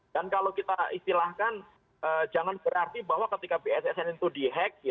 dan kalau kita istilahkan jangan berarti bahwa ketika bssn itu di hack